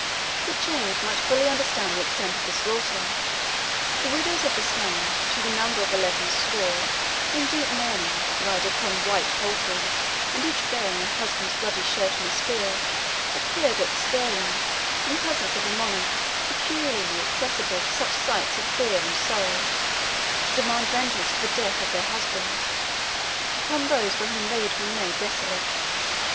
That James might fully understand the extent of the slaughter, the widows of the slain, to the number of eleven score, in deep mourning, riding upon white palfreys, and each bearing her husband's bloody shirt on a spear, appeared at Stirling, in presence of a monarch peculiarly accessible to such sights of fear and sorrow, to demand vengeance for the death of their husbands, upon those by whom they had been made desolate.